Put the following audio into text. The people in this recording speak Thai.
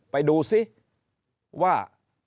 ไปดูซิว่า